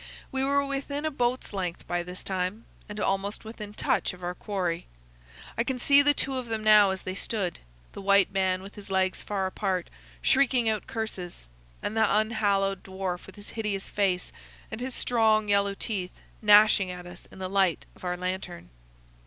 We were within a boat's length by this time, and almost within touch of our quarry. I can see the two of them now as they stood, the white man with his legs far apart, shrieking out curses, and the unhallowed dwarf with his hideous face, and his strong yellow teeth gnashing at us in the light of our lantern.